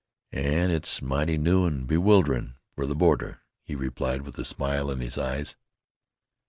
"An' it's mighty new an' bewilderin' for the border," he replied with a smile in his eyes.